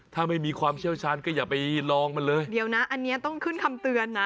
ถ้าไม่มีความเชี่ยวชาญก็อย่าไปลองมันเลยเดี๋ยวนะอันนี้ต้องขึ้นคำเตือนนะ